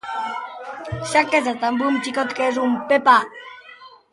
S'ha casat amb un xicot que és un pepa.